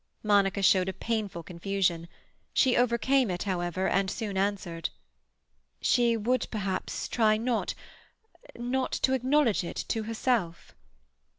Monica showed a painful confusion. She overcame it, however, and soon answered. "She would perhaps try not—not to acknowledge it to herself."